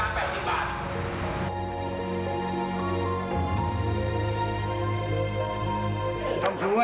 ก็ยังมีปัญหาราคาเข้าเปลือกก็ยังลดต่ำลง